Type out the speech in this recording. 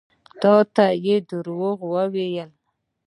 تا ته يې دروغ ويلي وو.